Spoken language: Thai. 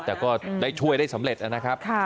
แต่ก็ได้ช่วยได้สำเร็จนะครับ